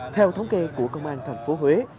theo thống kê của công an thành phố huế